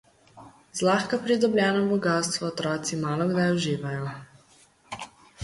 Zlahka pridobljeno bogastvo otroci malokdaj uživajo.